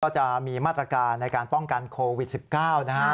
จะมีมาตรการในการป้องกันโควิด๑๙นะฮะ